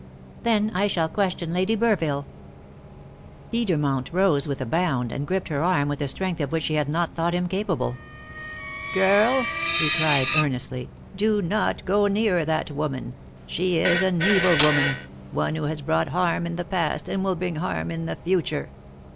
"Then, I shall question Lady Burville." Edermont rose with a bound, and gripped her arm with a strength of which she had not thought him capable. "Girl," he cried earnestly, "do not go near that woman! She is an evil woman one who has brought harm in the past, and will bring harm in the future.